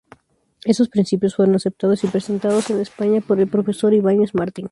Esos principios fueron aceptados y presentados en España por el profesor Ibáñez-Martín.